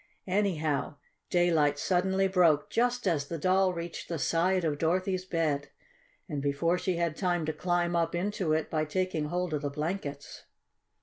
Anyhow, daylight suddenly broke just as the Doll reached the side of Dorothy's bed, and before she had time to climb up into it by taking hold of the blankets.